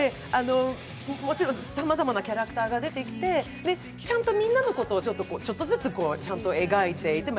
もちろんさまざまなキャラクターが出てきて、ちゃんとみんなのことをちょっとずつちゃんと描いていて。